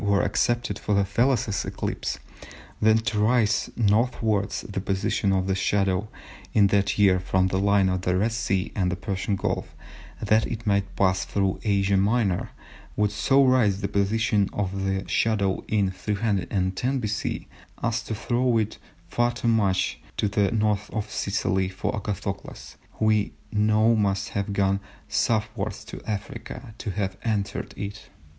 were accepted for the Thales eclipse, then to raise northwards the position of the shadow in that year from the line of the Red Sea and the Persian Gulf, that it might pass through Asia Minor, would so raise the position of the shadow in 310 B.C. as to throw it far too much to the N. of Sicily for Agathocles, who we know must have gone southwards to Africa, to have entered it.